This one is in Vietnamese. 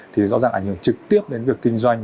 thì rõ ràng ảnh hưởng trực tiếp đến việc kinh doanh